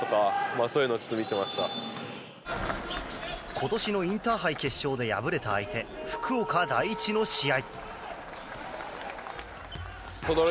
今年のインターハイ決勝で敗れた相手福岡第一の試合。